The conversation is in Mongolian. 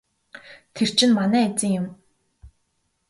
Тэр чинь манай эзэн юм.